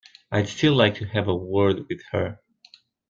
I'd still like to have a word with her.